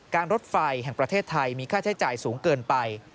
รถไฟแห่งประเทศไทยมีค่าใช้จ่ายสูงเกินไป